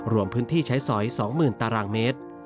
รวมพื้นที่ใช้สอย๒๐๐๐ตารางเมตร